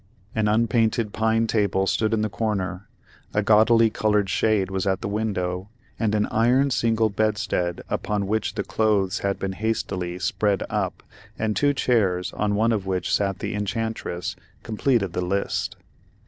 An unpainted pine table stood in the corner, a gaudily colored shade was at the window, and an iron single bedstead upon which the clothes had been hastily "spread up," and two chairs, on one of which sat the enchantress, completed the list.